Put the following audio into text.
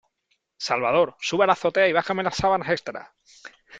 Salvador, ¡sube a la azotea y bájame las sábanas extra!